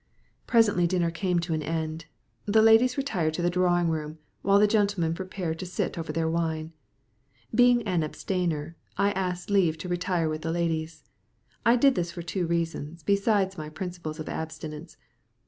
Presently dinner came to an end. The ladies retired to the drawing room, while the gentlemen prepared to sit over their wine. Being an abstainer, I asked leave to retire with the ladies. I did this for two reasons besides my principles of abstinence.